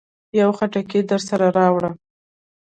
يو خټکی درسره راوړه.